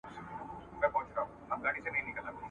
ایا موږ د الله تعالی حقوق په سمه توګه ادا کړي دي؟